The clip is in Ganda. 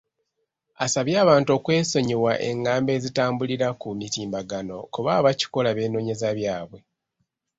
Asabye abantu okwesonyiwa engambo ezitambulira ku mitimbagano kuba abakikola beenoonyeza byabwe.